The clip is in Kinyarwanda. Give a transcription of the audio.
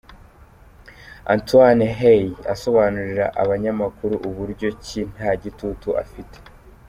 Antoine Hey asobanurira abanyamakuru uburyo ki nta gitutu afite.